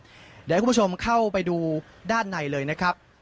เดี๋ยวให้คุณผู้ชมเข้าไปดูด้านในเลยนะครับ